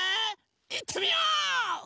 いってみよう！